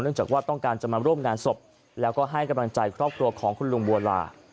จากว่าต้องการจะมาร่วมงานศพแล้วก็ให้กำลังใจครอบครัวของคุณลุงบัวลา